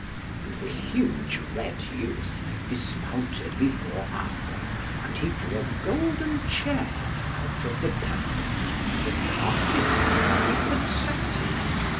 And the huge red youth dismounted before Arthur, and he drew a golden chair out of the pack, and a carpet of diapered satin.